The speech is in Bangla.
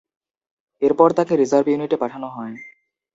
এরপর তাকে রিজার্ভ ইউনিটে পাঠানো হয়।